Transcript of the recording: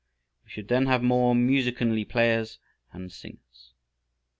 We should then have more musicianly players and singers.